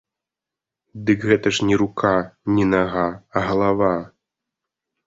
Дык гэта ж не рука, не нага, а галава!